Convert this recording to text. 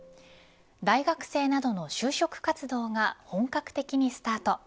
大学生などの就職活動が本格的にスタート。